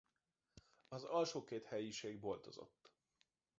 Az alsó két helyiség boltozott.